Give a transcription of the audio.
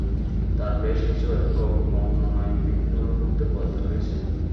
তাঁর বেশ কিছু একক বর্ণনায় বিভিন্ন রকম দুর্বলতা রয়েছে।